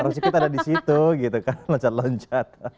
harusnya kita ada di situ loncat loncat